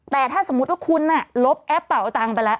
แต่ถ้าสมมุติว่าคุณลบแอปเป่าตังค์ไปแล้ว